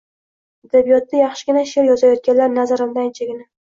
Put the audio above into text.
Adabiyotda yaxshigina she`r yozayotganlar, nazarimda, anchagina